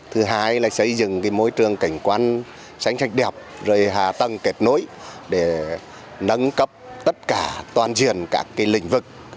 thứ hai là xây dựng môi trường cảnh quan sánh sạch đẹp rồi hạ tầng kết nối để nâng cấp tất cả toàn diện các lĩnh vực